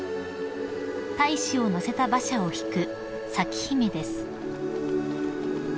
［大使を乗せた馬車を引く］